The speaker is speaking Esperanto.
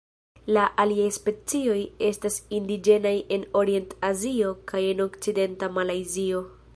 La aliaj specioj estas indiĝenaj en Orient-Azio kaj en okcidenta Malajzio.